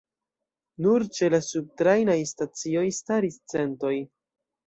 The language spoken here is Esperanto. Nur ĉe la subtrajnaj stacioj staris centoj.